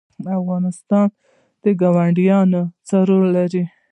د افغانستان ګاونډیان څه رول لري؟